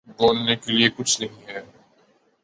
بولنے کے لیے کچھ نہیں ہے